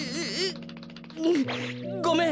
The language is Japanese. ごめん！